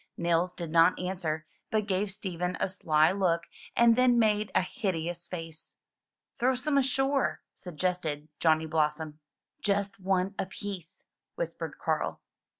Nils did not answer, but gave Stephen a sly look and then made a hideous face. 'Throw some ashore,'' suggested Johnny Blossom. "Just one apiece," whispered Carl.